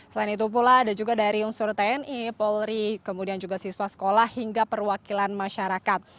selain itu pula ada juga dari unsur tni polri kemudian juga siswa sekolah hingga perwakilan masyarakat